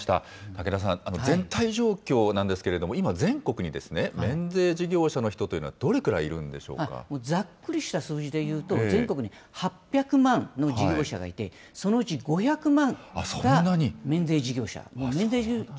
竹田さん、全体状況なんですけれども、今、全国に免税事業者の人というのは、ざっくりした数字でいうと、全国に８００万の事業者がいて、そのうち５００万が免税事業者。